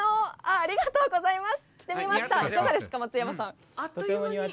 ありがとうございます。